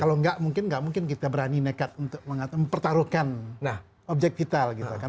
kalau nggak mungkin nggak mungkin kita berani nekat untuk mempertaruhkan objek vital gitu kan